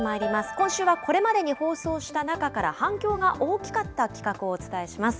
今週はこれまでに放送した中から、反響が大きかった企画をお伝えします。